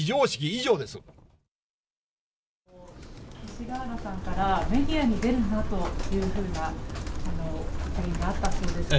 勅使河原さんから、メディアに出るなというふうな依頼があったと。